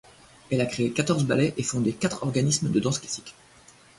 Elle a créé quatorze ballets et fondé quatre organismes de danse classique.